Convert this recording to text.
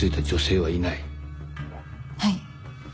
はい